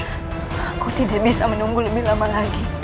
aku tidak bisa menunggu lebih lama lagi